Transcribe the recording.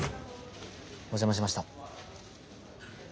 お邪魔しました。